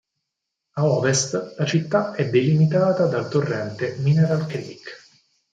A ovest la città è delimitata dal torrente "Mineral Creek".